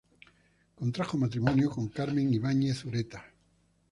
Contrajo matrimonio con Carmela Ibáñez Ureta.